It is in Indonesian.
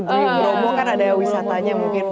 tapi bromo kan ada wisatanya mungkin